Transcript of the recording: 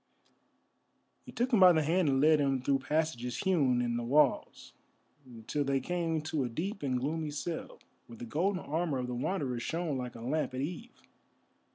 He took him by the hand and led him through passages hewn in the walls till they came to a deep and gloomy cell, where the golden armour of the Wanderer shone like a lamp at eve.